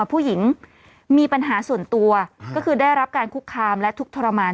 ผู้หญิงมีปัญหาส่วนตัวก็คือได้รับการคุกคามและทุกข์ทรมาน